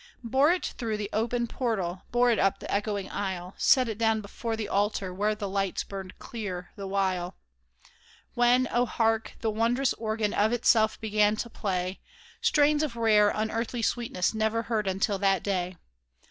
Bore it through the open portal, bore it up the echoing aisle, Set it down before the altar, where the lights burned clear the while : When, oh, hark ! the wondrous organ of itself began to play Strains of rare, unearthly sweetness never heard until that day